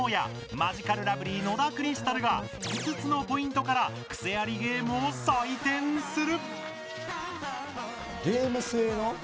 マヂカルラブリー野田クリスタルが５つのポイントからクセありゲームを採点する！